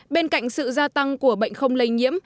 bên cạnh sự gia tăng của bệnh không lây nhiễm